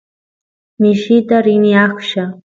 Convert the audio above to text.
mishita rini aqlla